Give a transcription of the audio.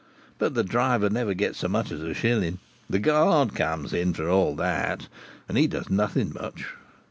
But the driver never gets so much as a shilling; the guard comes in for all that, and he does nothing much.